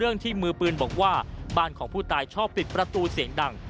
ที่มือปืนบอกว่าบ้านของผู้ตายชอบปิดประตูเสียงดัง